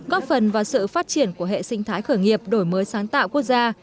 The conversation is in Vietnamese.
góp phần vào sự phát triển của hệ sinh thái khởi nghiệp đổi mới sáng tạo quốc gia